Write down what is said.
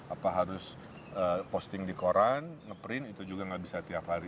apa harus posting di koran nge print itu juga nggak bisa tiap hari